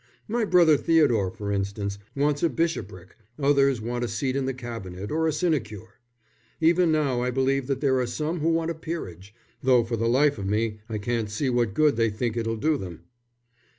My brother Theodore, for instance, wants a bishopric, others want a seat in the Cabinet or a sinecure. Even now I believe there are some who want a peerage, though for the life of me I can't see what good they think it'll do them."